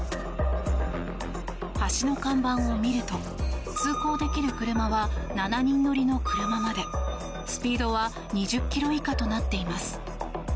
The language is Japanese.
橋の看板を見ると通行できる車は７人乗りの車までスピードは２０キロ以下となっています。